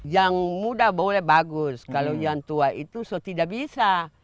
yang muda boleh bagus kalau yang tua itu tidak bisa